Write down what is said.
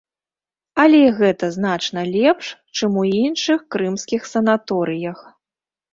Але і гэта значна лепш, чым у іншых крымскіх санаторыях.